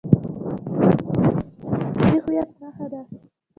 سیلابونه د افغانستان د ملي هویت نښه ده.